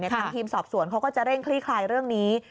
ทางทีมสอบสวนเขาก็จะเร่งคลี่คลายเรื่องนี้